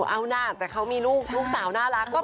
เอาหน้าแต่เขามีลูกลูกสาวน่ารักคุณผู้ชม